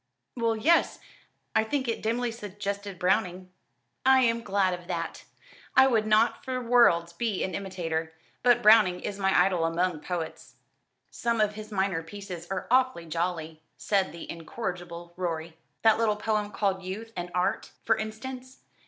"Well, yes, I think it dimly suggested Browning." "I am glad of that. I would not for worlds be an imitator; but Browning is my idol among poets." "Some of his minor pieces are awfully jolly," said the incorrigible Rorie. "That little poem called 'Youth and Art,' for instance.